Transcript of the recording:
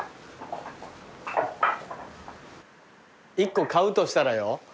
一個買うとしたらよ？